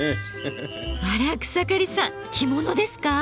あら草刈さん着物ですか？